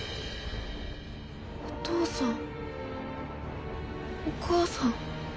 お父さんお母さん